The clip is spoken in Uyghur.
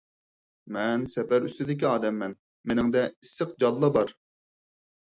مەن سەپەر ئۈستىدىكى ئادەممەن، مېنىڭدە ئىسسىق جانلا بار.